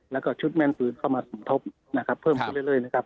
แล้วก็ชุดแม่นปืนเข้ามาสมทบนะครับเพิ่มขึ้นเรื่อยนะครับ